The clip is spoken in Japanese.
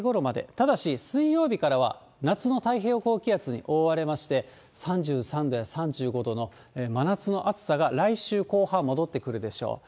ただし、水曜日からは夏の太平洋高気圧に覆われまして、３３度や３５度の真夏の暑さが来週後半戻ってくるでしょう。